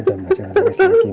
nida jangan res lagi ma